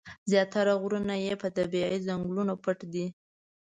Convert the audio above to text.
زیاتره غرونه یې په طبیعي ځنګلونو پټ دي.